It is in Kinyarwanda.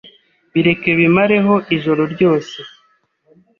Bireke bimareho ijoro ryose